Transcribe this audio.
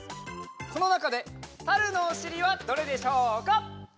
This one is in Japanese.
このなかでサルのおしりはどれでしょうか？